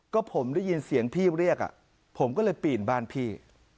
ก็ผมได้ยินเสียงพี่เรียกผมก็เลยปีนบ้านพี่